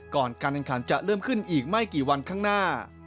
การแข่งขันจะเริ่มขึ้นอีกไม่กี่วันข้างหน้า